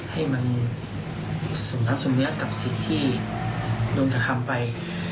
ให้มันส่งน้ำส่งเนื้อกับสิทธิ์ที่โดนจะทำไป